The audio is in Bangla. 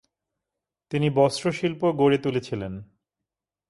তিনি বস্ত্রশিল্প গড়ে তুলেছিলেন।